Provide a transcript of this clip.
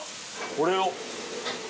これを。